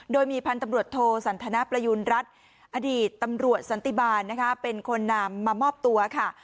โดยมีพันธมโรทโทสันทนาประยุณรัฐอดีตตำรวจสันติบาลเป็นคนนามมามอบตัวค่ะ